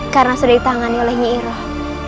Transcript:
karena sudah ditangani oleh nyi iroh